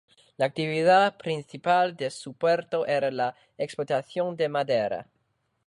La actividad principal de su puerto era la exportación de madera.